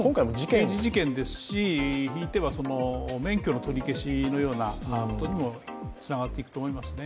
刑事事件ですし、ひいては免許の取り消しのようなことにもつながっていくと思いますね。